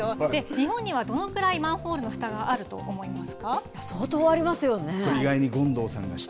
日本にはどのくらいマンホールのふたがあると思いますか。